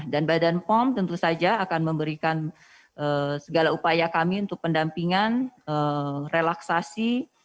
dan badan pom tentu saja akan memberikan segala upaya kami untuk pendampingan relaksasi